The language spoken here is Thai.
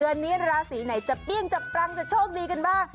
เดือนนี้ราศีไหนจะเปรี้ยงจะปรังจะโชคดีกันบ้าง